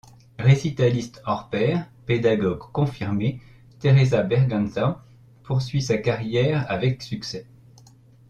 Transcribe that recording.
Récitaliste hors pair, pédagogue confirmée, Teresa Berganza poursuit sa carrière avec succès.